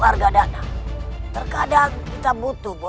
terima kasih gusti prabu